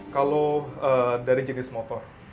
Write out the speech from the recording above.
kalau dari jenis motor